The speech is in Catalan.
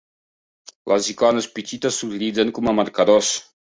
Les icones petites s'utilitzen com a marcadors.